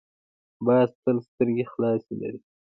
باز تل سترګې خلاصې لري